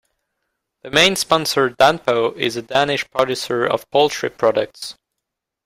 The main sponsor Danpo is a Danish producer of poultry products.